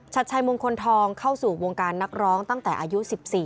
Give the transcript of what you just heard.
ชัดชัยมงคลทองเข้าสู่วงการนักร้องตั้งแต่อายุ๑๔